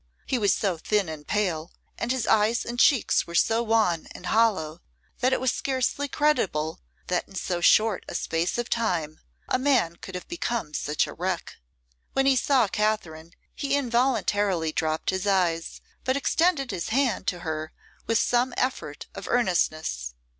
He was so thin and pale, and his eyes and cheeks were so wan and hollow, that it was scarcely credible that in so short a space of time a man could have become such a wreck. When he saw Katherine he involuntarily dropped his eyes, but extended his hand to her with some effort of earnestness.